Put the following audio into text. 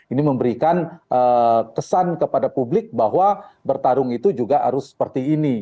ini memberikan kesan kepada publik bahwa bertarung itu juga harus seperti ini